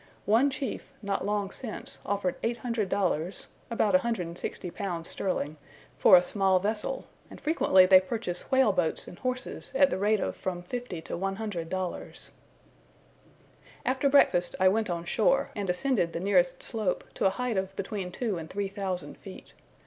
One chief, not long since, offered 800 dollars (about 160 pounds sterling) for a small vessel; and frequently they purchase whale boats and horses at the rate of from 50 to 100 dollars. After breakfast I went on shore, and ascended the nearest slope to a height of between two and three thousand feet.